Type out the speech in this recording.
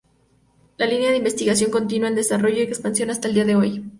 La línea de investigación continúa en desarrollo y expansión hasta el día de hoy.